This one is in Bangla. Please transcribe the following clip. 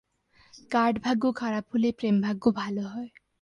কার্ড-ভাগ্য খারাপ হলে প্রেম-ভাগ্য ভালো হয়।